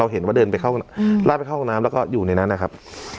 เห็นว่าเดินไปลาดไปเข้าห้องน้ำแล้วก็อยู่ในนั้นนะครับ